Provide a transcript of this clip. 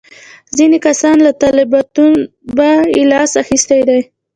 ځینې کسان له طالبتوبه یې لاس اخیستی دی.